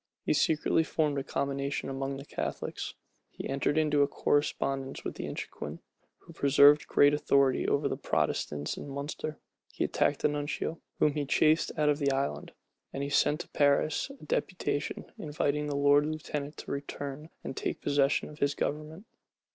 He secretly formed a combination among the Catholics; he entered into a correspondence with Inchiquin, who preserved great authority over the Protestants in Munster; he attacked the nuncio, whom he chased out of the island; and he sent to Paris a deputation, inviting the lord lieutenant to return and take possession of his government.